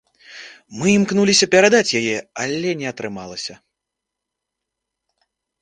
Мы імкнуліся перадаць яе, але не атрымалася.